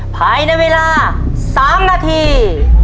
ภายในเวลา๓นาที